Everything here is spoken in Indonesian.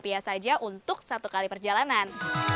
rupiah saja untuk satu kali perjalanan